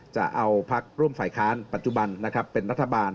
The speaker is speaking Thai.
จะเอาพักร่วมฝ่ายค้านปัจจุบันนะครับเป็นรัฐบาล